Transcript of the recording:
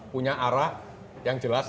punya arah yang jelas